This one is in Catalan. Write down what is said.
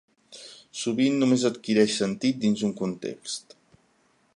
Sovint només adquireix sentit dins un context.